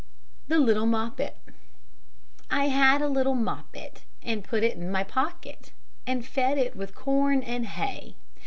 THE LITTLE MOPPET I had a little moppet, I put it in my pocket, And fed it with corn and hay.